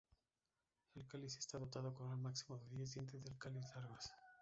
El cáliz está dotado con un máximo de diez dientes del cáliz largos.